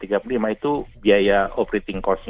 itu biaya operating costnya